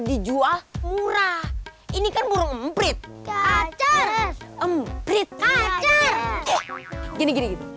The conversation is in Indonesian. kalau jual murah ini kan burung mp tiga kacar mp tiga kacar gini